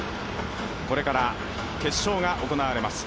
これから決勝が行われます。